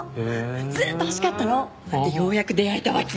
ずーっと欲しかったの！でようやく出会えたわけ。